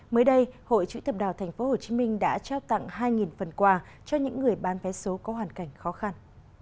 mới đây hội chữ thập đỏ tp hcm đã trao tặng hai phần quà cho những người bán vé số có hoàn cảnh khó khăn